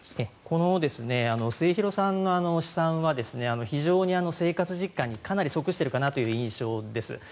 この末廣さんの試算は非常に生活実感にかなり即しているかなという印象です。